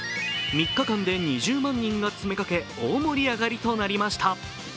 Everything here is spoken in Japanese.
３日間で２０万人が詰めかけ大盛り上がりとなりました。